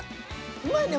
うまいね！